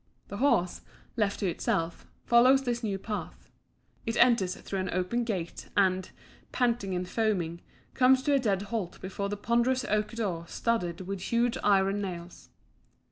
The horse, left to itself, follows this new path; it enters through an open gate, and, panting and foaming, comes to a dead halt before a ponderous oak door studded with huge iron nails.